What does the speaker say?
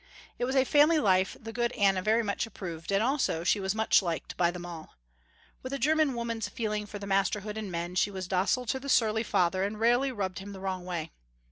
It was a family life the good Anna very much approved and also she was much liked by them all. With a german woman's feeling for the masterhood in men, she was docile to the surly father and rarely rubbed him the wrong way.